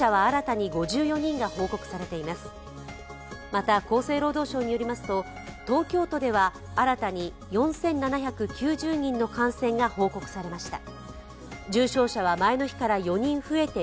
また厚生労働省によりますと東京都では新たに４７９０人の感染が報告されました。